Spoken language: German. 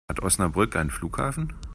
Hat Osnabrück einen Flughafen?